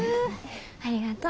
ありがとう。